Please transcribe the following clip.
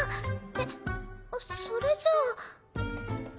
えっそれじゃあ。